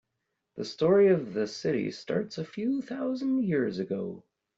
The story of the city starts a few thousand years ago.